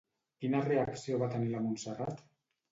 Quina reacció va tenir la Montserrat?